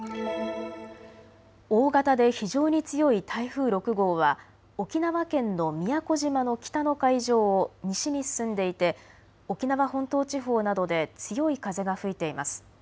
大型で非常に強い台風６号は沖縄県の宮古島の北の海上を西に進んでいて沖縄本島地方などで強い風が吹いています。